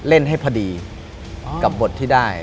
เล่นให้พอดีกับบทที่ได้